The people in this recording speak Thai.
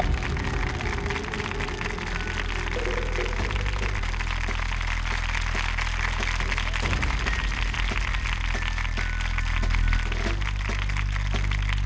โปรดติดตามตอนต่อไป